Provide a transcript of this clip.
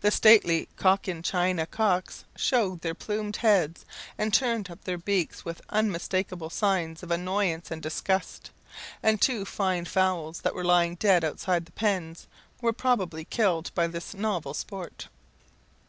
The stately Cochin China cocks shook their plumed heads, and turned up their beaks with unmistakeable signs of annoyance and disgust; and two fine fowls that were lying dead outside the pens, were probably killed by this novel sport.